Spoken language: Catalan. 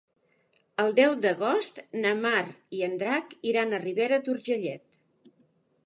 El deu d'agost na Mar i en Drac iran a Ribera d'Urgellet.